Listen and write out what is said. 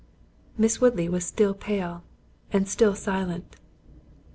Miss Woodley was still pale, and still silent.